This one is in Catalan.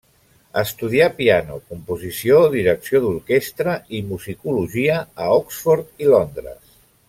Estudià piano, composició, direcció d'orquestra i musicologia a Oxford i Londres.